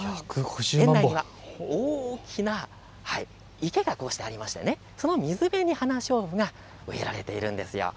園内には大きな池があってその水辺にハナショウブが植えられているんです。